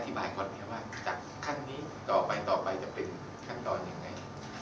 ที่ีกล่ายแบบนหนึ่งก่อน